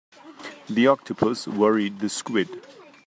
The octopus worried the squid.